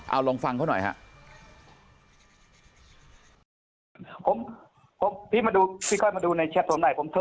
เอาลองฟังเขาหน่อยฮะ